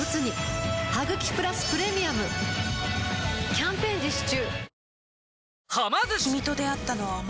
キャンペーン実施中